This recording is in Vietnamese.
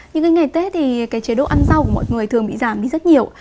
những ngày tết thì cái chế độ ăn rau của mọi người thường bị giảm đi rất nhiều